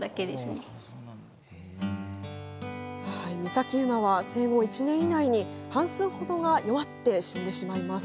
岬馬は生後１年以内に半数ほどが弱って死んでしまいます。